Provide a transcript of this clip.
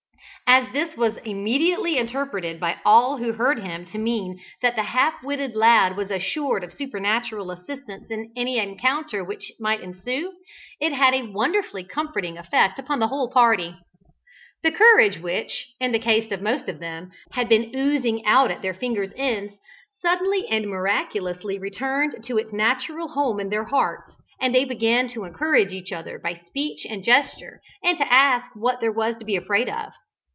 As this was immediately interpreted by all who heard him to mean that the half witted lad was assured of supernatural assistance in any encounter which might ensue, it had a wonderfully comforting effect upon the whole party. The courage which, in the case of most of them, had been "oozing out at their fingers' ends," suddenly and miraculously returned to its natural home in their hearts, and they began to encourage each other by speech and gesture, and to ask what there was to be afraid of.